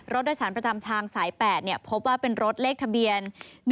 รถโดยสารประจำทางสาย๘พบว่าเป็นรถเลขทะเบียน